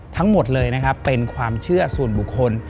ทั้งหมดเลยนะครับเป็นความเชื่อส่วนบุคคล